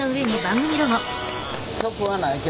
曲はないけど。